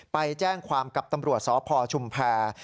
ไปแจ้งความกับตำรวจสพชุมแพร